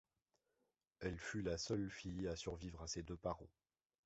Elle fut la seule fille à survivre à ses deux parents.